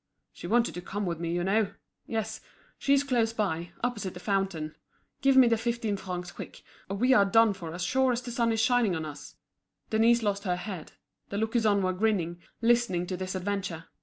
"She wanted to come with me you know. Yes, she is close by, opposite the fountain. Give me the fifteen francs quick, or we are done for as sure as the sun is shining on us!" Denise lost her head. The lookers on were grinning, listening to this adventure.